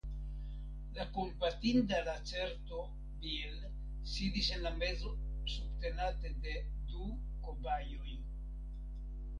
La kompatinda lacerto Bil sidis en la mezo subtenate de du kobajoj.